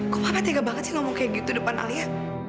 kok apa tega banget sih ngomong kayak gitu depan alia